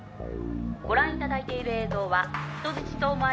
「ご覧いただいている映像は人質と思われる方々です」